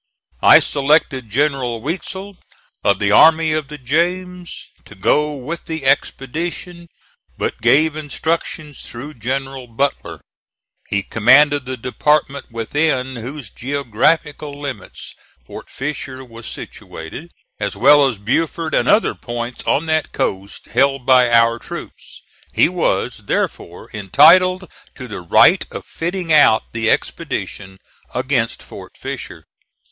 I selected General Weitzel, of the Army of the James, to go with the expedition, but gave instructions through General Butler. He commanded the department within whose geographical limits Fort Fisher was situated, as well as Beaufort and other points on that coast held by our troops; he was, therefore, entitled to the right of fitting out the expedition against Fort Fisher.